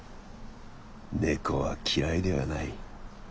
猫は嫌いではない。